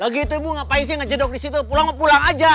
lagi itu ibu ngapain sih ngedok disitu pulang pulang aja